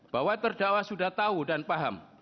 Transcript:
bahwa terdakwa sudah tahu dan paham